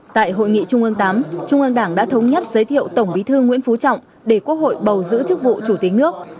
tại hội nghị trung ương viii trung ương đảng đã thống nhất giới thiệu tổng bí thư nguyễn phú trọng để quốc hội bầu giữ chức vụ chủ tịch nước